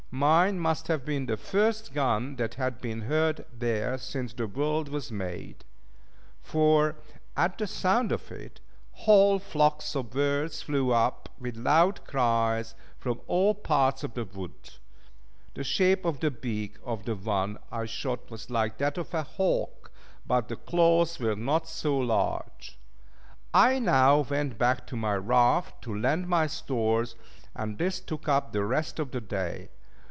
Mine must have been the first gun that had been heard there since the world was made; for at the sound of it, whole flocks of birds flew up, with loud cries, from all parts of the wood. The shape of the beak of the one I shot was like that of a hawk, but the claws were not so large. I now went back to my raft to land my stores, and this took up the rest of the day.